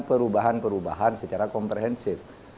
perubahan perubahan secara komprehensif